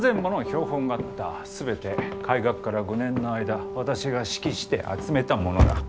全て開学から５年の間私が指揮して集めたものだ。